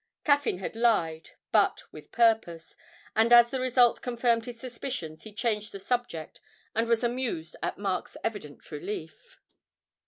Caffyn had lied, but with a purpose, and as the result confirmed his suspicions he changed the subject, and was amused at Mark's evident relief.